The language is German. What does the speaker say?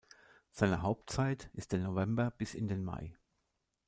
Seine Hauptzeit ist der November bis in den Mai.